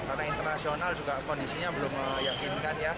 karena internasional juga kondisinya belum meyakinkan ya